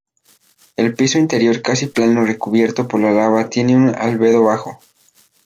El piso interior casi plano recubierto por la lava tiene un albedo bajo.